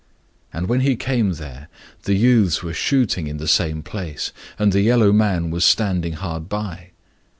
And when he came there, the youths were shooting in the same place, and the yellow man was standing hard by.